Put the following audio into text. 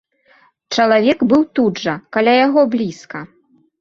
Чалавек быў тут жа, каля яго блізка.